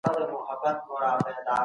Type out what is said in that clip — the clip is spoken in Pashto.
خدای تر ټولو لومړی ادم ته علم ورکړ.